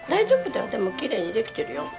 でもきれいにできてるよ。